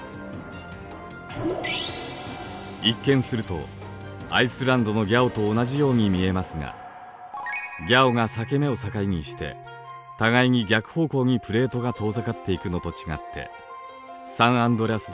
一見するとアイスランドのギャオと同じように見えますがギャオが裂け目を境にして互いに逆方向にプレートが遠ざかっていくのと違ってサンアンドレアス